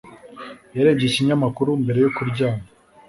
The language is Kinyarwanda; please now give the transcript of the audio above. Yarebye ikinyamakuru mbere yo kuryama